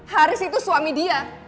haris itu suami dia